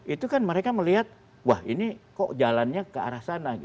itu kan mereka melihat wah ini kok jalannya ke arah sana